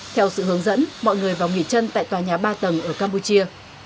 theo sự hướng dẫn mọi người vào nghỉ chân tại tòa nhà ba tầng ở campuchia